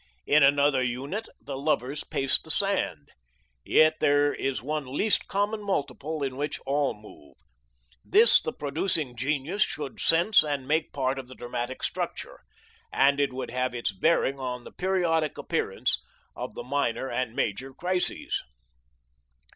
In another unit, the lovers pace the sand. Yet there is one least common multiple in which all move. This the producing genius should sense and make part of the dramatic structure, and it would have its bearing on the periodic appearance of the minor and major crises.